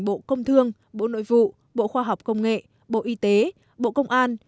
bộ công thương bộ nội vụ bộ khoa học công nghệ bộ y tế bộ công an